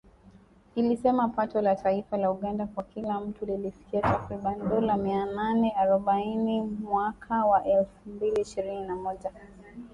Ilisema pato la taifa la Uganda kwa kila mtu lilifikia takriban dola mia nane arobaini mwaka wa elfu mbili ishirini na moja